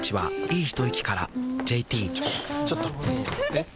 えっ⁉